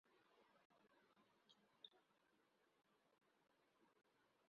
উপন্যাসটির ভূমিকা লিখেছেন ডঃ আহমেদ শরীফ।